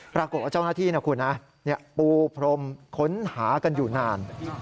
ปรากฏว่าเจ้าหน้าที่นะคุณนะปูพรมค้นหากันอยู่นาน